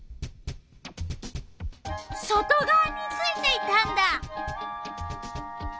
外がわについていたんだ！